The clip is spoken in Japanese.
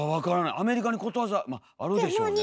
アメリカにことわざまああるでしょうね。